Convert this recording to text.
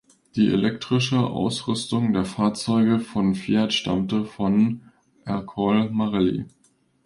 Die elektrische Ausrüstung der Fahrzeuge von Fiat stammte von Ercole Marelli.